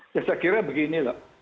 saya kira beginilah